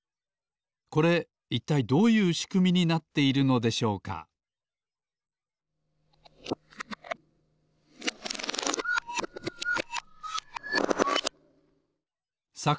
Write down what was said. これいったいどういうしくみになっているのでしょうかさ